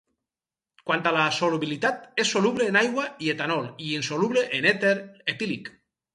Quant a la solubilitat és soluble en aigua i etanol i insoluble en èter etílic.